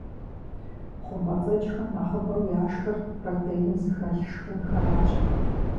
ХъумпӀэцӀэджхэм нэхъыбэу яшхыр протеин зыхэлъ шхынхэращ.